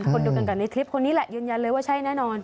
คนเดียวกันกับในคลิปคนนี้แหละยืนยันเลยว่าใช่แน่นอน